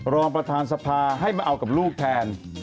รองประธานสภาให้มาเอากับลูกแทน